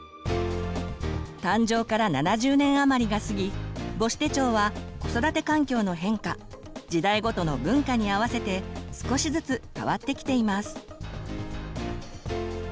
誕生から７０年あまりが過ぎ母子手帳は子育て環境の変化時代ごとの文化に合わせて少しずつ変わってきています。